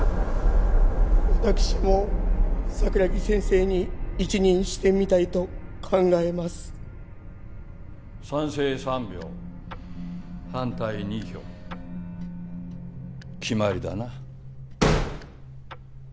私も桜木先生に一任してみたいと考えます賛成３票反対２票決まりだな